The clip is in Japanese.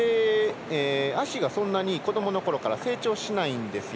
足が、そんなに子どものころから成長しないんですよ。